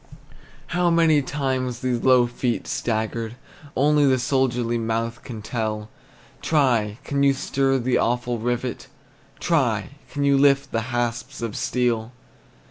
How many times these low feet staggered, Only the soldered mouth can tell; Try! can you stir the awful rivet? Try! can you lift the hasps of steel?